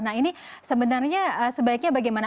nah ini sebenarnya sebaiknya bagaimana